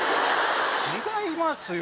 違いますよ！